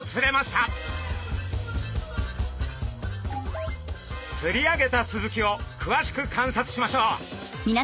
釣り上げたスズキをくわしく観察しましょう！